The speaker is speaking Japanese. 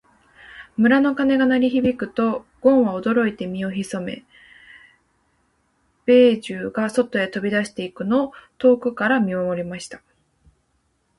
村の鐘が鳴り響くと、ごんは驚いて身を潜め、兵十が外へ飛び出していくのを遠くから見守りました。